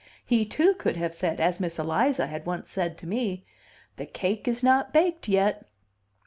He, too, could have said, as Miss Eliza had once said to me, "The cake is not baked yet."